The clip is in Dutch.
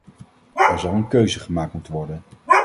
Er zal een keuze gemaakt moeten worden.